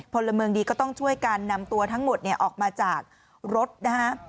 พลเมืองดีก็ต้องช่วยการนำตัวทั้งหมดออกมาจากรถนะฮะ